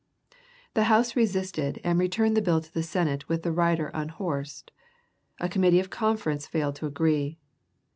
The House resisted, and returned the bill to the Senate with the rider unhorsed. A committee of conference failed to agree.